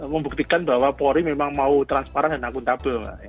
membuktikan bahwa polri memang mau transparan dan akuntabel